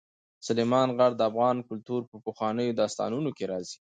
سلیمان غر د افغان کلتور په پخوانیو داستانونو کې راځي.